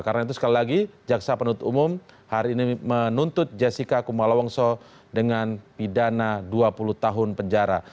karena itu sekali lagi jaksa penuntut umum hari ini menuntut jessica kumola wongso dengan pidana dua puluh tahun penjara